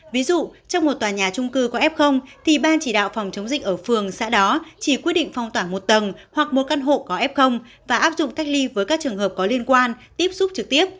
ví dụ trong một tòa nhà trung cư có f thì ban chỉ đạo phòng chống dịch ở phường xã đó chỉ quyết định phong tỏa một tầng hoặc một căn hộ có f và áp dụng cách ly với các trường hợp có liên quan tiếp xúc trực tiếp